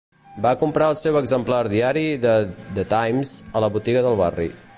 Va comprar el seu exemplar diari de "The Times" a la botiga del barri